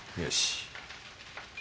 よし。